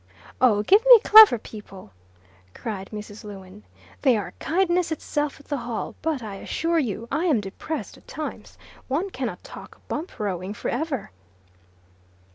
"Oh, give me clever people!" cried Mrs. Lewin. "They are kindness itself at the Hall, but I assure you I am depressed at times. One cannot talk bump rowing for ever."